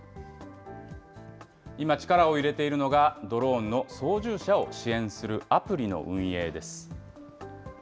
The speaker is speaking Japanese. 今、力を入れているのが、ドローンの操縦者を支援するアプリの運営です。